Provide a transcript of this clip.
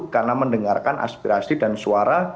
karena mendengarkan aspirasi dan suara